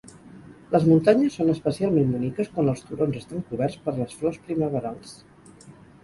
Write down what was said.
Les muntanyes són especialment boniques quan els turons estan coberts per les flors primaverals.